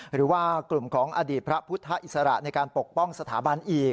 หรือว่ากลุ่มของอดีตพระพุทธอิสระในการปกป้องสถาบันอีก